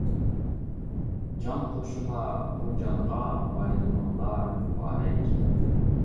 جان قوشۇلار بۇ جانغا، بايرىمىڭلار مۇبارەك.